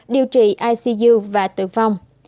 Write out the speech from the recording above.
điều trị icu và tử vong